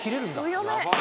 強め！